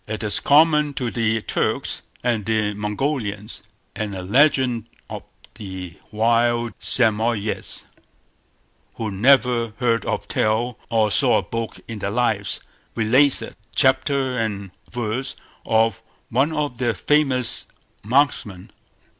It is common to the Turks and Mongolians; and a legend of the wild Samoyeds, who never heard of Tell or saw a book in their lives, relates it, chapter and verse, of one of their famous marksmen.